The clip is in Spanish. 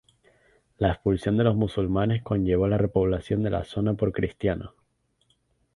La expulsión de los musulmanes conllevó la repoblación de la zona por cristianos.